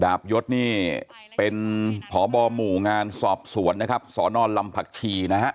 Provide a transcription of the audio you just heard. ดาบยศนี่เป็นผบหมู่งานสอบสวนสนลำผักชีนะฮะ